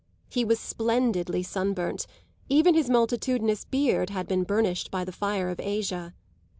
He was splendidly sunburnt; even his multitudinous beard had been burnished by the fire of Asia.